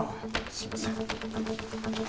すいません。